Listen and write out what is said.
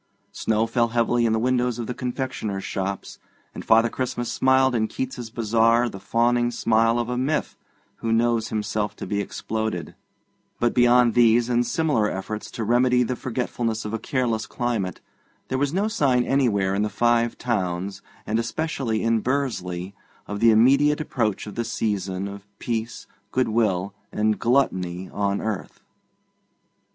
Snow fell heavily in the windows of confectioners' shops, and Father Christmas smiled in Keats's Bazaar the fawning smile of a myth who knows himself to be exploded; but beyond these and similar efforts to remedy the forgetfulness of a careless climate, there was no sign anywhere in the Five Towns, and especially in Bursley, of the immediate approach of the season of peace, goodwill, and gluttony on earth.